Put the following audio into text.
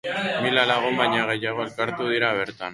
Mila lagun baino gehiago elkartu dira bertan.